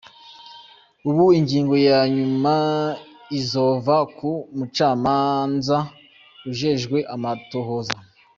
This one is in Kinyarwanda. Ubu ingingo ya nyuma izova ku mucamanza ajejwe amatohoza.